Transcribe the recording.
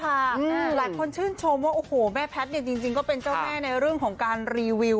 หลายคนชื่นชมว่าโอ้โหแม่แพทย์จริงก็เป็นเจ้าแม่ในเรื่องของการรีวิว